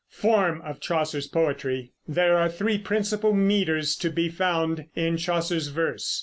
FORM OF CHAUCER'S POETRY. There are three principal meters to be found in Chaucer's verse.